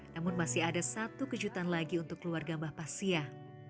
namun masih ada satu kejutan lagi untuk keluarga mbah pasya